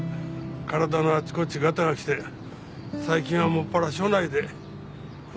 体のあちこちガタがきて最近はもっぱら署内で舟こいでます。